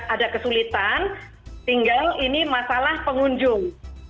ada kesulitan tinggal ini masalah pengunjung